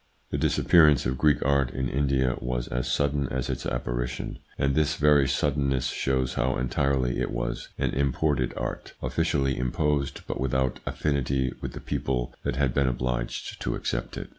The disappearance of Greek art in India was as sudden as its apparition, and this very suddenness shows how entirely it was an imported art, officially imposed but without affinity with the people that ITS INFLUENCE ON THEIR EVOLUTION 119 had been obliged to accept it.